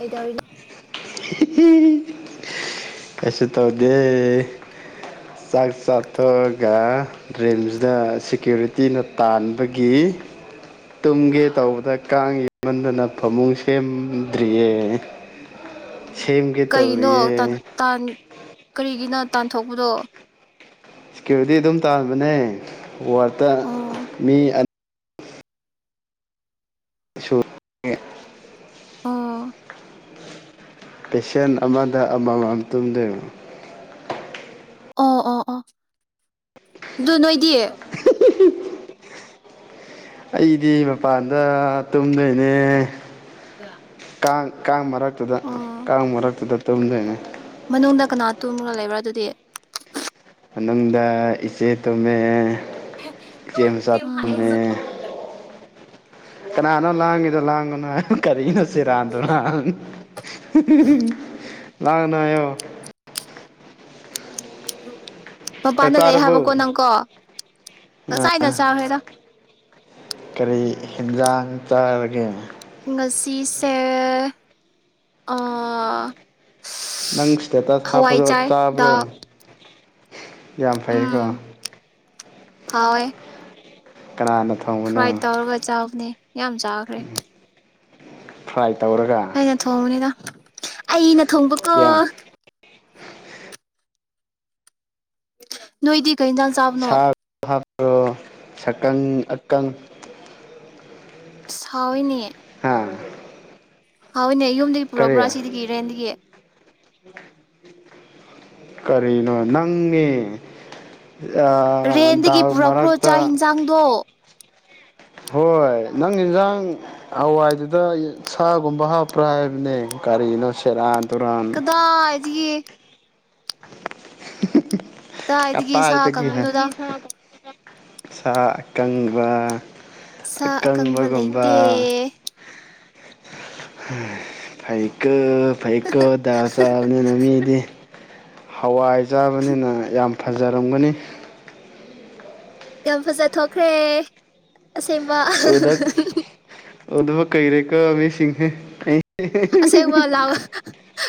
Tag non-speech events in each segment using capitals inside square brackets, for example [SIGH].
ꯀꯩꯗꯧꯔꯤ ꯀꯩꯁꯨ ꯇꯧꯗꯦ ꯆꯥꯛ ꯆꯥꯊꯣꯛꯑꯒ ꯔꯤꯝꯁꯗ ꯁꯦꯀ꯭ꯌꯨꯔꯤꯇꯤꯅ ꯇꯥꯟꯕꯒꯤ ꯇꯨꯝꯒꯦ ꯇꯧꯕꯗ ꯀꯥꯡ ꯌꯥꯃꯟꯗꯅ ꯐꯃꯨꯡ ꯁꯦꯝ ꯇ꯭ꯔꯤꯌꯦ ꯀꯩꯅꯣ ꯇꯟ ꯇꯥꯟ ꯀꯔꯤꯒꯤꯅꯣ ꯇꯥꯟꯊꯣꯛꯄꯗꯣ ꯁꯦꯀ꯭ꯌꯨꯔꯤꯇꯤ ꯑꯗꯨꯝ ꯇꯥꯟꯕꯅꯦ ꯋꯥꯔꯠꯇ ꯑꯣ ꯃꯤ ꯑ [UNINTELLIGIBLE] ꯑꫭ ꯄꯦꯁꯦꯟꯠ ꯑꯃꯗ ꯑꯃꯃꯝ ꯇꯨꯝꯗꯣꯏꯅꯦ ꯑꯣ ꯑꯣ ꯑꯣ ꯑꯗꯨ ꯅꯣꯏꯗꯤ ꯑꯩꯗꯤ ꯃꯄꯥꯟꯗ ꯇꯨꯝꯗꯨꯏꯅꯦ [INAUDIBLE] ꯀꯥꯡ ꯀꯥꯡ ꯃꯔꯛ ꯇꯨꯗ ꯑꯣ ꯀꯥꯡ ꯃꯔꯛꯇꯨꯗ ꯇꯨꯝꯗꫭꯏꯅꯦ ꯃꯅꯨꯡꯗ ꯀꯅꯥꯇꯨꯝ‌ ꯃꯒ ꯂꯩꯕ꯭ꯔꯥ ꯑꯗꯨꯗꯤ ꯃꯅꯨꯡꯗ ꯏꯆꯦ ꯇꯨꯝꯃꯦ ꯍꯦ ꯆꯦ ꯂꯋꯥꯏ ꯅꯨꯄꯤ ꯃꯆꯥ ꯑꯃ ꯑ ꯑꯩꯁꯨ ꯇꯨꯝꯃꯦ [UNINTELLIGIBLE] ꯀꯅꯥꯅꯣ ꯂꯥꯡꯉꯤꯗꯣ ꯂꯥꯡꯒꯅꯣ ꯍꯥꯏꯌꫭ ꯀꯔꯤꯅꯣ ꯁꯦꯔꯥꯟꯗꯨꯔꯥꯟ ꯍꯤ ꯍꯤ ꯍꯤ ꯂꯥꯡꯒꯅꫭ ꯍꯥꯌꯣ ꯑꯗꯨ ꯆꯥꯛ ꯃꯄꯥꯟꯗ ꯂꯩ ꯍꯥꯏꯕꯀꯣ ꯆꯥꯔꯕꯣ ꯅꯪꯀꯣ ꯑ ꯉꯁꯥꯏꯅ ꯆꯥꯈ꯭ꯔꯦꯗ ꯀꯔꯤ ꯍꯤꯟꯖꯥꯡ ꯆꯥꯔꯒꯦ ꯉꯁꯤꯁꯦ ꯑ ꯅꯪ ꯁꯇꯦꯇꯁ ꯍꯥꯞꯄꯗꯣ ꯆꯥꯕ꯭ꯔꯣ ꯗꯥꯛ ꯌꯥꯝ ꯐꯩꯑꯦꯀꯣ ꯍꯥꯎꯑꯦ ꯀꯅꯥꯅ ꯊꫭꯡꯕꯅꯣ ꯆꯥꯕꯅꯦ ꯌꯥꯝ ꯆꯥꯈ꯭ꯔꯦ ꯐꯔꯥꯏ ꯑꯩꯩꯅ ꯊꯣꯡꯕꯅꯤꯗ ꯑꯩꯩꯅ ꯌꯥꯝ ꯊꫭꯡꯕꯀꫭ ꯅꯣꯏꯗꯤ ꯀꯩꯖꯥꯡ ꯆꯥꯕꯅꯣ꯫ [UNINTELLIGIBLE] ꯁꯀꯪ ꯑꯀꯪ꯫ ꯁꯥꯑꯣꯋꯤꯅꯦ꯫ ꯍꯥꯥ꯫ ꯍꯥꯎꯋꯤꯅꯦ꯫ ꯌꯨꯝꯗꯒꯤ ꯄꯨꯔꯛꯄ꯭ꯔꯥ ꯁꯤꯗꯒꯤ ꯔꯦꯟꯗꯒꯤ꯫ [UNINTELLIGIBLE] ꯀꯔꯤꯅꯣ ꯅꯪꯅꯦ꯫ ꯑ ꯔꯦꯟꯗꯒꯤ ꯗꯥꯜ ꯄꯨꯔꯛꯄ꯭ꯔꯣ ꯆꯥꯛ ꯃꯔꯛꯇ ꯏꯟꯖꯥꯡꯗꯣ꯫ ꯍꯣꯏ ꯅꯪ ꯏꯟꯖꯥꯡ ꯍꯋꯥꯏꯗꯨꯗ ꯁꯥꯒꯨꯝꯕ ꯍꯥꯞꯄ꯭ꯔꯥ ꯍꯥꯏꯕꯅꯦ ꯀꯔꯤꯅꯣ ꯁꯦꯔꯥꯟ꯫ ꯇꯨꯔꯥꯟ꯫ [UNINTELLIGIBLE] [UNINTELLIGIBLE] ꯀꯗꯥꯏꯗꯒꯤ ꯁꯥ ꯀꯇꯥꯏꯗꯒꯤ ꯑꯀꯪꯕꯅꫭꯗ꯫ ꯁꯥ ꯑꯀꯪꯕ꯫ ꯁꯥ ꯑꯀꯪꯕ ꯂꯩꯇꯦ꯫ ꯑꯀꯪꯕꯒꯨꯝꯕ ꯐꯩꯀꫭ ꯐꯩꯀꯣꯗ ꯆꯥꯕꯅꯤꯅ ꯃꯤꯗꯤ ꯍꯋꯥꯏ꯫ ꯆꯥꯕꯅꯤꯅ ꯌꯥꯝ꯫ ꯐꯖꯔꯝꯒꯅꯤ꯫ ꯌꯥꯝ ꯐꯖ ꯊꯣꯛꯈ꯭ꯔꯦ꯫ ꯑꯁꯦꯡꯕ꯫ ꯑꯗꯕ ꯀꯨꯏꯔꯦꯀꫭ ꯃꯤꯁꯤꯡꯁꯦ [UNINTELLIGIBLE] ꯑꯁꯦꯡꯕ ꯂꯥꯛ [UNINTELLIGIBLE]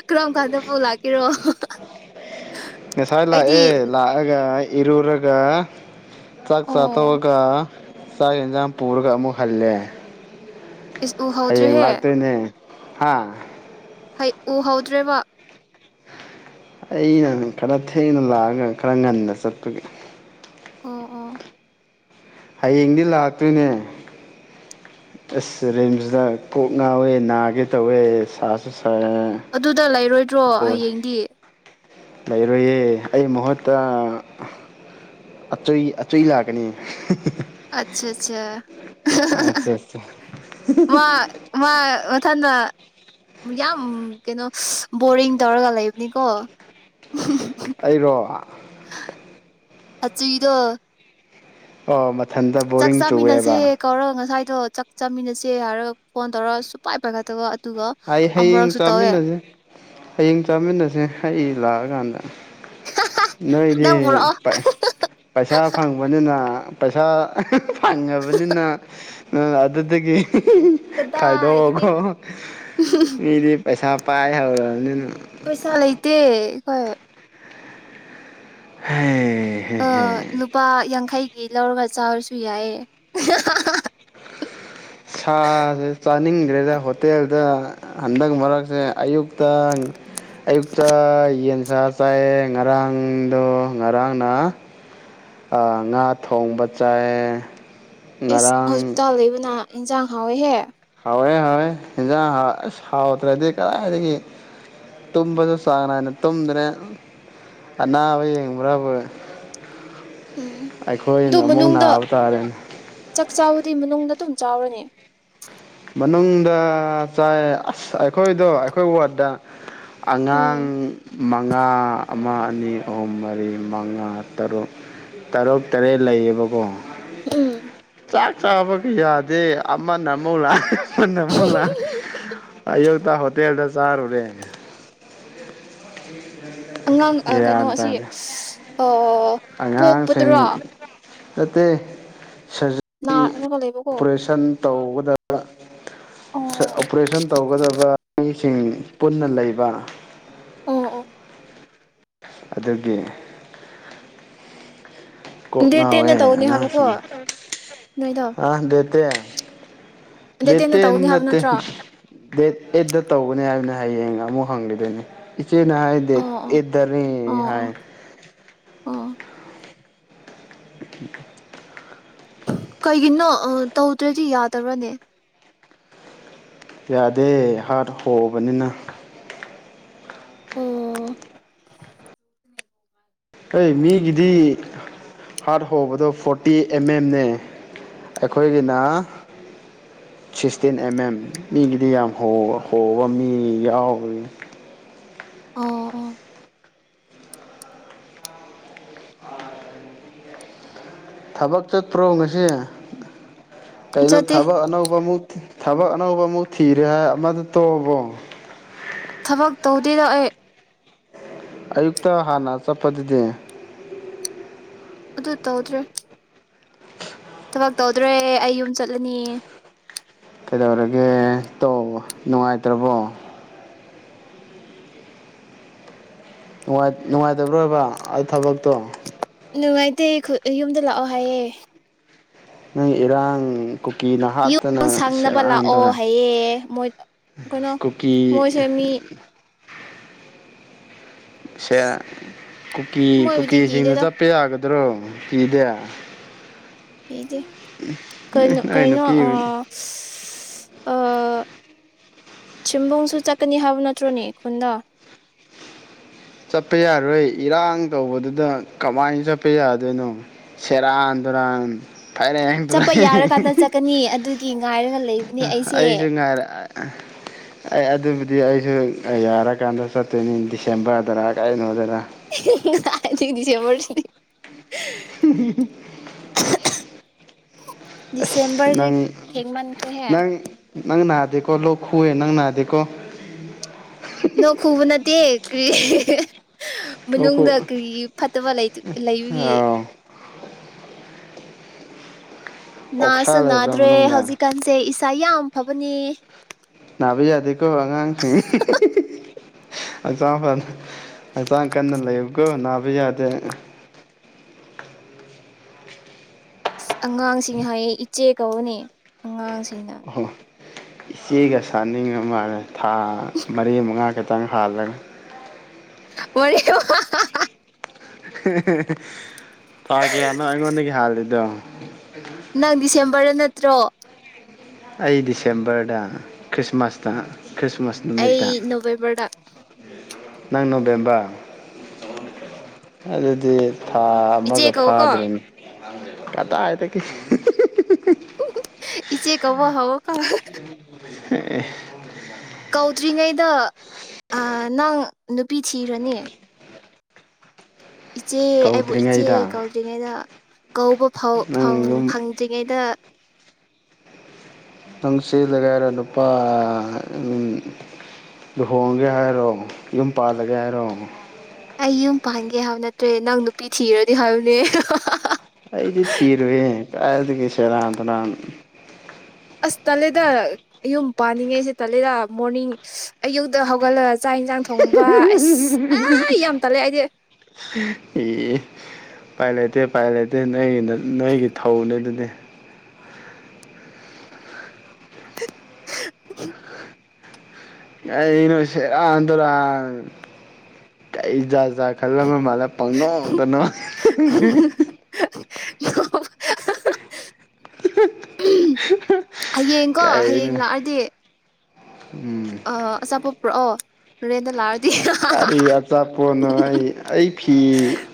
ꯀꯔꯝ ꯀꯥꯟꯗꯕꯨ ꯂꯥꯛꯀꯤꯔꯣ꯫ ꯉꯁꯥꯏ ꯂꯥꯛꯑꯦ ꯂꯥꯛꯑꯒ꯫ ꯏꯔꯨꯔꯒ꯫ ꯆꯥꯛ ꯆꯥꯇꫭꯛ ꯑꯣ ꯑꯒ꯫ ꯆꯥꯛ ꯍꯦꯟꯖꯥꯡ ꯄꯨꯔꯒ ꯑꯃꯨꯛ ꯍꯜꯂꯦ꯫ ꯏꯁ ꯍꯌꯦꯡ ꯎꯍꯧꯗ꯭ꯔꯦꯍꯦ ꯂꯥꯛꯇꯣꯏꯅꯦ꯫ ꯍꯥꯥ꯫ ꯍꯩ ꯎꯍꯧꯗ꯭ꯔꯦꯕ꯫ ꯑꯩꯅ ꯈꯔ ꯊꯦꯡꯅ ꯂꯥꯛꯑꯒ ꯈꯔ ꯉꯟꯅ ꯆꯠꯄꯒꯤ꯫ ꯑꯣ ꯑꫭ꯫ ꯍꯌꯦꯡꯗꯤ ꯂꯥꯛꯇꯣꯏꯅꯦ ꯑꯁ ꯔꯤꯝꯁꯇ ꯀꯣꯛ ꯉꯥꯎꯋꯦ ꯅꯥꯒꯦ ꯇꯧꯋꯦ ꯁꯥꯁꯨ꯫ ꯁꯥꯏ ꯑꯗꯨꯗ ꯂꯩꯔꫭꯏꯗꯔꯣ ꯕꯣꯜ ꯍꯌꯦꯡꯗꯤ꯫ ꯂꯩꯔꯣꯏꯌꯦ ꯑꯩ ꯃꯍꯨꯠꯇ ꯑꯆꯨꯏ ꯑꯆꯨꯏ ꯂꯥꯛꯀꯅꯤ꯫ [UNINTELLIGIBLE] ꯑꯆꯥ ꯆꯥ ꯃꯥ ꯃꯥ ꯃꯊꯟꯗ ꯌꯥꯝ ꯀꯩꯅꯣ ꯕꯣꯔꯤꯡ ꯇꯧꯔꯒ ꯂꯩꯕꯅꯤꯀꯣ ꯑꯩꯔꯣ ꯑꯆꯨꯏꯗꯣ ꯑꯣ ꯃ ꯆꯥꯛ ꯆꯥꯃꯤꯟꯅꯁꯦ ꯀꯧꯔꯒ ꯉꯁꯥꯏ ꯑꯗꯣ ꯆꯥꯛ ꯆꯥꯃꯤꯟꯅꯁꯦ ꯍꯥꯏꯔꯒ ꯐꯣꯟ ꯇꯧꯔꯒ ꯁꯨꯄꯥꯏ ꯄꯥꯏꯒꯠꯇꯕ ꯑꯠ ꯑꯩ ꯍꯌꯦꯡ ꯆꯥꯃꯤꯟꯅꯁꯦ ꯍꯌꯦꯡ ꯆꯥꯃꯤꯟꯅꯁꯦ ꯑꯩ ꯂꯥꯛꯑ ꯀꯥꯟꯗ ꯅꯣꯏꯗꯤ ꯅꯪ ꯄꯨꯔꯛꯑꯣ ꯄꯩ ꯄꯩꯁꯥ ꯐꯪꯕꯅꯤꯅ ꯄꯩꯁꯥ ꯐꯪꯉꯕꯅꯤꯅ ꯅꯪ ꯑꯗꯨꯗꯒꯤ ꯀꯗꯥꯏꯗꯒꯤ ꯈꯥꯏꯗꯣꯛꯑꯒꯣ ꯃꯤꯗꯤ ꯄꯩꯁꯥ ꯄꯥꯏ ꯍꯧꯔꯕꯅꯤꯅ ꯄꯩꯁꯥ ꯂꯩꯇꯦ ꯑꯩꯈꯣꯏ ꯍꯦ ꯑ ꯅꯨꯄꯥ ꯌꯥꯡꯈꯩ ꯒꯤ ꯂꯧꯔꯒ ꯆꯥꯔꯁꯨ ꯌꯥꯏꯌꯦ ꯁꯥꯁꯦ ꯆꯥꯅꯤꯡꯗ꯭ꯔꯦꯗ ꯍꯣꯇꯦꯜꯗ ꯍꯟꯗꯛ ꯃꯔꯛꯁꯦ ꯑꯌꯨꯛꯇ ꯑꯌꯨꯛꯇ ꯌꯦꯟꯁ ꯆꯥꯏꯑ ꯉꯔꯥꯡꯗꯣ ꯉꯔꯥꯡꯅ ꯉꯥ ꯊꯣꯡꯕ ꯆꯥꯏꯑ ꯏꯁ ꯍꯣꯁꯄꯤꯇꯥꯜ ꯂꯩꯕꯅ ꯏꯟꯁꯥꯡ ꯍꯥꯎꯋꯦꯍꯦ ꯍꯥꯎꯋꯦ ꯍꯥꯎꯋꯦ ꯍꯟꯖꯥꯡ ꯑꯁ ꯍꯥꯎꯇꯔꯗꯤ ꯀꯗꯥꯏꯗꯒꯤ ꯇꯨꯝꯕꯁꯨ ꯆꯥꯡ ꯅꯥꯏꯅ ꯇꯨꯝꯗ꯭ꯔꯦ ꯑꯅꯥꯕ ꯌꯦꯡꯕ꯭ꯔꯕꯨ ꯎꯝ ꯑꯩꯈꯣꯏꯅ ꯑꯃꯨꯛ ꯅꯥꯕ ꯇꯥꯔꯦꯅꯦ ꯆꯥꯎꯕꯗꯤ ꯃꯅꯨꯡꯗ ꯑꯗꯨꯝ ꯆꯥꯎꯔꯅꯦ ꯃꯅꯨꯡꯗ ꯆꯥꯏ ꯑꯁ ꯑꯩꯈꯣꯏꯗꯣ ꯑꯩꯈꯣꯏ ꯋꯥꯔꯠꯇ ꯑꯉꯥꯡ ꯎꯝ ꯃꯉꯥ ꯑꯃ ꯑꯅꯤ ꯑꯍꯨꯝ ꯃꯔꯤ ꯃꯉꯥ ꯇꯔꯨꯛ ꯇꯔꯨꯛ ꯇꯔꯦꯠ ꯂꯩꯌꯦꯕꯀꯣ ꯎꯝ ꯆꯥꯛ ꯆꯥꯕꯒꯤ ꯌꯥꯗꯦ ꯑꯃꯅꯝ [UNINTELLIGIBLE] [UNINTELLIGIBLE] ꯑꯌꯨꯛꯇ ꯍꯣꯇꯦꯜꯗ ꯆꯥꯔꯨꯔꯦ [UNINTELLIGIBLE] ꯑꯉꯥꯡ ꯑꯥ ꯀꯩꯅꯣ ꯒ꯭ꯌꯥꯟ ꯑꯁꯤ ꯑꯣ ꯇꯥꯗꯦ ꯑꯣ ꯑꯣ ꯄꯣꯛꯄꯗꯨꯔꯣ ꯑꯇꯩ ꯁꯔꯖꯔꫯ [INAUDIBLE] ꯅꯥꯔꯒ ꯂꯩꯕꯀꯣ ꯑꯣꯄꯔꯦꯁꯟ ꯇꯧꯒꯗꯕ ꯑꯣ ꯑꯣꯄꯔꯦꯁꯟ ꯇꯧꯒꯗꯕ ꯃꯤ ꯁꯤꯡ ꯄꯨꯟꯅ ꯂꯩꯕ ꯑꯣ ꯑꯣ ꯑꯗꯨꯒꯤ ꯀꯣꯛ ꯗꯦꯠ ꯇꯦꯟꯅ ꯉꯥꯎꯋꯦ ꯇꯧꯒꯅꯤ ꯍꯥꯏꯕꯀꯣ ꯅꯣꯏꯗꯣ ꯑꯥ ꯗꯦꯠ ꯇꯦꯟ ꯗꯦꯠ ꯇꯦꯟꯗ ꯇꯦꯟ ꯇꯧꯅꯤ ꯍꯥꯏꯕ ꯅꯠꯇꯦ ꯅꯠꯇ꯭ꯔꯣ ꯑꯦꯗ ꯑꯩꯗ ꯇꯧꯒꯅꯤ ꯍꯥꯏꯅ ꯍꯌꯦꯡ ꯑꯃꯨꯛ ꯍꯪꯂꯤꯗꯨꯣꯏꯅꯤ ꯆꯦꯅ ꯍꯥꯏ ꯗꯦꯠ ꯑꯣ ꯑꯣ ꯑꯩꯗꯅꯤ ꯑꯣ ꯑꯣ ꯍꯥꯏ ꯑꯣ [INAUDIBLE] ꯀꯩꯒꯤꯅꯣ ꯇꯧꯗ꯭ꯔꯗꯤ ꯌꯥꯗꯕ꯭ꯔꯅꯦ ꯌꯥꯗꯦ ꯍꯥꯔꯠ ꯍꯣꯑꯕꯅꯤꯅ ꯑꯣ ꯑꯩ ꯃꯤꯒꯤꯗꯤ ꯍꯥꯔꯠ ꯍꯣꯕꯗꯣ ꯐꯣꯔꯇꯤ ꯑꯦꯝ ꯑꯦꯝꯅꯦ ꯑꯩꯈꯣꯏꯒꯤꯅ ꯁꯤꯛꯁꯇꯤꯟ ꯑꯦꯝ ꯑꯦꯝ ꯃꯤꯒꯤꯗꯤ ꯌꯥꯝ ꯍꯣꯕ ꯍꫭꯕ ꯃꯤ ꯌꯥꯎꯋꯏ ꯑꯣ- ꯑꯣ꯫ ꯑꯥꯏ ꯊꯕꯛ ꯆꯠꯇ꯭ꯔꯣ ꯉꯁꯤ? ꯀꯩꯅꫭ ꯆꯠꯇꯦ ꯊꯕꯛ ꯑꯅꯧꯕ ꯑꯃꯨꯛ ꯊꯤ ꯊꯕꯛ ꯑꯅꯧꯕ ꯑꯃꯨꯛ ꯊꯤꯔꯦ ꯍꯥꯏ ꯑꯃꯗꯨ ꯇꯣꯛꯑꯕꯣ? ꯊꯕꯛ ꯇꯧꯗꯦꯗ ꯑꯩ꯫ ꯑꯌꯨꯛꯇ ꯍꯥꯟꯅ ꯆꯠꯄꯗꯨꯗꯤ? ꯑꯗꯨ ꯇꯧꯗ꯭ꯔꯦ꯫ ꯊꯕꯛ ꯇꯧꯗ꯭ꯔꯦ ꯑꯩ ꯌꯨꯝ ꯆꯠꯂꯅꯤ ꯫ ꯀꯩꯗꯧꯔꯒꯦ ꯇꯧꯕ ꯅꯨꯡꯉꯥꯏꯇ꯭ꯔꯕꯣ? ꯅꯨꯡꯉꯥꯏ ꯅꯨꯡꯉꯥꯏꯇꯕ꯭ꯔꯣ ꯍꯥꯏꯕ ꯑ ꯊꯕꯛꯇꯣ? ꯅꯨꯡꯉꯥꯏꯇꯦ ꯈꯨ ꯑ ꯌꯨꯝꯗ ꯂꯥꯛꯑꯣ ꯍꯥꯏꯌꯦ꯫ ꯅꯪ ꯏꯔꯥꯡ ꯀꯨꯀꯤ ꯅꯍꯥꯛ ꯌꯨꯝ ꯁꯪꯅꯕ ꯂꯥꯛꯑꯣ ꯍꯥꯏꯌꯦ ꯃꯣꯏ ꯑ ꯀꯩꯅꯣ ꯀꯨꯀꯤ ꯃꯣꯏꯁꯦ ꯃꯤ ꯁꯦ ꯀꯨꯀꯤ - ꯃꯣꯏꯕꯨꯗꯤ ꯀꯨꯀꯤꯁꯤꯡꯅ ꯀꯤꯗꯦꯗ ꯆꯠꯄ ꯌꯥꯒ ꯗ꯭ꯔꯣ ꯀꯤꯗꯦ꯫ ꯀꯗꯦ ꯀꯩꯅꯣ - ꯅꯣꯏ ꯀꯩꯅꯣ ꯑ ꯅꯨꯄꯤꯕꯨꯗꯤ ꯁ ꯑ ꯆꯤꯝꯕꯣꯡꯁꯨ ꯆꯠꯀꯅꯤ ꯍꯥꯏꯕ ꯅꯠꯇ꯭ꯔꯣꯅꯦ ꯈꯨꯟꯗ? ꯆꯠꯄ ꯌꯥꯔꯣꯏ ꯏꯔꯥꯡ ꯇꯧꯕꯗꯨꯗ ꯀꯃꯥꯏꯅ ꯆꯠꯄ ꯌꯥꯗꯣꯏꯅꯣ ꯁꯦꯔꯥꯟ - ꯇꯨꯔꯥꯟ ꯫ ꯆꯠꯄ ꯌꯥꯔꯀꯥꯟꯗ ꯆꯠꯀꯅꯤ ꯑꯗꯨꯒꯤ ꯉꯥꯏꯔꯒ ꯂꯩꯕꯅꯦ ꯅ ꯑꯩꯁꯦ ꯑꯩꯁꯨ ꯉꯥꯏꯔ ꯑ ꯑ ꯑꯩ ꯑꯗꯨꯕꯨꯗꯤ ꯑꯩꯁꯨ ꯌꯥꯔꯀꯥꯟꯗ ꯆꯠꯇꯣꯏꯅꯤ ꯗꯤꯁꯦꯝꯕꯔꯗꯔ ꯀꯩꯅꯣꯗꯔ ꯑꯍꯤ ꯍꯤ ꯍꯤꯡ ꯀꯥꯏꯗꯩ ꯗꯤꯁꯦꯝꯕꯔꯁꯤꯗꯤ ꯑꯁ ꯗꯤꯁꯦꯝꯕꯔꯗꯤ ꯅꯪ ꯊꯦꯡꯃꯟꯈ꯭ꯔꯦꯍꯦ! ꯅꯪ ꯅꯪ ꯅꯥꯗꯦꯀꯣ ꯂꯣꯛ ꯈꯨꯏꯌꯦ ꯅꯪ ꯅꯥꯗꯦꯀꯣ? ꯀ꯭ꯔꯤ? ꯂꯣꯛ ꯈꯨ ꯃꯅꯨꯡꯗ ꯀ꯭ꯔꯤ ꯐꯠꯇꯕ ꯂꯩꯕꯒꯤ? [INAUDIBLE] ꯑꯣꯛꯁꯥ ꯅꯥꯁꯨ ꯂꯩꯕ꯭ꯔꯥ ꯅꯥꯗ꯭ꯔꯦ ꯃꯅꯨꯡꯗ ꯍꯧꯖꯤꯛꯀꯥꯟꯁꯦ ꯏꯁ ꯇꯥ ꯌꯥꯝ ꯐꯕꯅꯦ꯫ ꯅꯥꯕ ꯌꯥꯗꯦꯀꯣ ꯑꯉꯥꯡꯁꯤꯡ ꯍꯛꯆꯥꯡ ꯐꯅ ꯍꯛꯆꯥꯡ ꯀꯟꯅ ꯂꯩꯌꯨ ꯀꯣ ꯅꯥꯕ ꯌꯥꯗꯦ꯫ ꯑꯉꯥꯡꯁꯤꯡ ꯍꯥꯏꯌꯦ ꯏꯆꯦ ꯀꯧꯋꯣꯅꯦ ꯑꯉꯥꯡꯁꯤꯡ ꯑꯍꯥ ꯏꯆꯦꯒ ꯁꯥꯅꯤꯡꯉꯤ ꯃꯥꯜꯂꯦ ꯊꯥ ꯃꯔꯤ-ꯃꯉꯥ ꯈꯤꯇꯪ ꯍꯥꯜꯂꯒ [UNINTELLIGIBLE] [UNINTELLIGIBLE] ꯊꯥ ꯀꯌꯥꯅꯣ ꯑꯩꯉꯣꯟꯗꯒꯤ ꯍꯥꯜꯂꯤꯗꯣ? [INAUDIBLE] ꯅꯪ ꯗꯤꯁꯦꯝꯕꯔꯗ ꯅꯠꯇ꯭ꯔꯣ? ꯑꯩ ꯗꯤꯁꯦꯝꯕꯔꯗ ꯈ꯭ꯔꯤꯁꯃꯥꯁꯇ ꯈ꯭ꯔꯤꯁꯃꯥꯁ ꯑꯩ ꯅꯨꯃꯤꯠꯇ ꯅꯣꯕꯦꯝꯕꯔꯗ ꯅꯪ ꯅꯣꯕꯦꯝꯕ ꯎꯝ [INAUDIBLE] ꯑꯗꯨꯗꯤ ꯊꯥ ꯏꯆꯦ ꯑꯃꯒ ꯀꯧꯀꯣ ꯐꯥꯗ꯭ꯔꯦꯅꯦ ꯀꯗꯥꯢꯗꯒꯤ ꯏꯆꯦ ꯀꯧꯕ ꯍꯧꯀꯣ [UNINTELLIGIBLE] ꯀꯧꯗ꯭ꯔꯤꯉꯩꯗ ꯅꯪ ꯅꯨꯄꯤ ꯊꯤꯔꯅꯤ ꯏꯆꯦ ꯑꯩꯕꯨ ꯏꯆꯦ ꯀꯧꯗ꯭ꯔꯤꯉꯩꯗ ꯀꯧꯗ꯭ꯔꯤꯉꯩꯗ ꯀꯧꯕ ꯐꯥꯎ ꯅꯪ ꯐꯪ ꯌꯨꯝ ꯐꯪꯗ꯭ꯔꯤꯉꯩꯗ ꯅꯪ ꯆꯦꯜꯂꯒꯦ ꯍꯥꯏꯔꯣ ꯅꯨꯄꯥ ꯂꯨꯍꯣꯡꯒꯦ ꯍꯥꯏꯔꯣ ꯌꯨꯝ ꯄꯥꯜꯂꯒꯦ ꯍꯥꯏꯔꯣ ꯑꯩ ꯌꯨꯝ ꯄꯥꯟꯒꯦ ꯍꯥꯏꯕ ꯅꯠꯇ꯭ꯔꯦ ꯅꯪ ꯅꯨꯄꯤ ꯊꯤꯔꯗꯤ ꯍꯥꯏꯕꯅꯦ ꯑꯩꯗꯤ ꯊꯤꯔꯣꯢꯌꯦ ꯀꯥꯏꯗꯨꯒꯤ ꯁꯦꯔꯥꯟ ꯇꯨꯔꯥꯟ ꯑꯁ ꯇꯂꯦꯗ ꯌꯨꯝ ꯄꯥꯅꯤꯡꯉꯩꯁꯦ ꯇꯂꯦꯗ ꯃꯣꯔꯅꯤꯡ ꯑꯌꯨꯛꯇ ꯍꯧꯒꯠꯂ ꯆꯥꯛ ꯍꯤꯟꯖꯥꯡ ꯊꯣꯡꯕ ꯑꯁ ꯑꯑꯥ ꯌꯥꯝ ꯇꯜꯂꯦ ꯑꯩꯗꯤ ꯄꯥꯏ ꯂꯩꯇꯦ ꯄꯥꯏ ꯂꯩꯇꯦ ꯅꯣꯏꯒꯤ ꯅꯣꯏꯒꯤ ꯊꯧꯅꯦ ꯑꯗꯨꯗꯤ [UNINTELLIGIBLE] ꯀꯩꯅꯣ ꯁꯦꯔꯥꯟ ꯇꯨꯔꯥꯟ ꯀꯩ ꯖꯥ ꯖꯥꯠ ꯈꯜꯂꯕ ꯃꯥꯂꯦ ꯄꯪꯅꯣꯛꯇ ꯅꯣꯛꯑꯦ ꯍꯌꯦꯡꯀꯣ ꯍꯌꯦꯡ ꯀꯩꯅꯣ ꯂꯥꯛꯑꯗꯤ ꯎꯝ ꯄꯨꯔꯥꯛꯑꯣ ꯔꯦꯟꯗ ꯂꯥꯔ ꯀꯔꯤ ꯑꯆꯥꯄꯣꯠꯅꯣ ꯑꯩ ꯑꯩ ꯐꯤ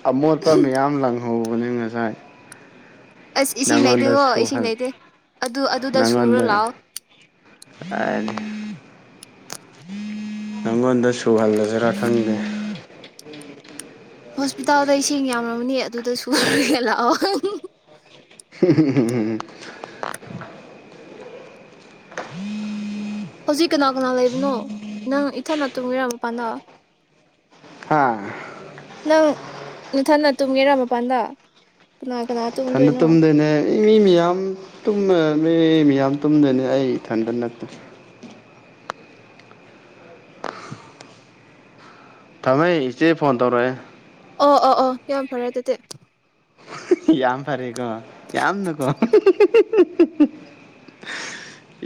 ꯑꯃꯣꯠꯄ ꯃꯌꯥꯝ ꯂꯪꯡ ꯍꯧꯕꯅꯦ ꯉꯁꯥꯏ ꯑꯁ ꯏꯁꯤꯡ ꯅꯪꯉꯣꯟꯗ ꯂꯩꯇꯦꯀꯣ ꯏꯁꯤꯡ ꯁꯨꯍꯜ ꯂꯩꯇꯦ ꯑꯗꯨ ꯑꯗꯨꯗ ꯁꯨꯔ ꯅꯪꯉꯣꯟꯗ ꯂꯥꯛꯑꯣ ꯍꯥꯏꯗꯤ ꯅꯪꯉꯣꯟꯗ ꯁꯨꯍꯜꯂꯁꯤꯔꯥ ꯈꯪꯗꯦ ꯍꯣꯁꯄꯤꯇꯥꯜꯗꯏꯁꯤꯡ ꯌꯥꯝꯂꯕꯅꯤ ꯑꯗꯨꯗ ꯁꯨꯔꯥꯒ ꯂꯥꯛꯑꯣ [UNINTELLIGIBLE] ꯍꯧꯖꯤꯛ ꯀꯅꯥ ꯀꯅꯥ ꯂꯩꯕꯅꯣ ꯅꯪ ꯏꯊꯟꯗ ꯇꯨꯝꯕꯤꯔꯝꯃꯣ ꯄꯅ ꯍꯥ ꯅꯊꯟꯅ ꯇꯨꯝꯒꯦꯔꯥ ꯃꯄꯥꯟꯗ ꯀꯅꯥ ꯀꯅꯥ ꯊꯟꯗ ꯇꯨꯝꯗꯣꯏꯅꯣ ꯇꯨꯝꯗꯣꯏꯅꯦ ꯏ ꯃꯤ ꯃꯌꯥꯝ ꯇꯨꯝꯃ ꯂꯩꯔꯝꯃꯦ ꯃꯤ ꯌꯥꯝ ꯇꯨꯝꯗꯣꯏꯅꯩ ꯑꯩ ꯏꯊꯟꯗ ꯅꯠꯇꯦ ꯊꯃꯦ ꯏꯆꯦ ꯐꯣꯟ ꯇꯧꯔꯛꯑꯦ ꯑꯣ ꯑꯣ ꯑꯣ ꯌꯥꯝ ꯐꯔꯦ ꯑꯗꯨꯗꯤ ꯌꯥꯝ ꯐꯔꯦꯀꯣ ꯌꯥꯝꯅꯀꯣ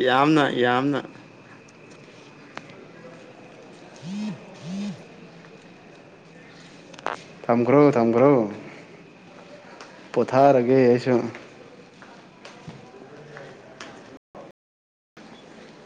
ꯌꯥꯝꯅ ꯌꯥꯝꯅ [INAUDIBLE] ꯊꯝꯈ꯭ꯔꯣ ꯊꯝꯈ꯭ꯔꯣ ꯄꯣꯊꯥꯔꯒꯦ ꯑꯩꯁꯨ